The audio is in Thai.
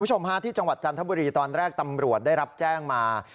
คุณผู้ชมฮะที่จังหวัดจันทบุรีตอนแรกตำรวจได้รับแจ้งมา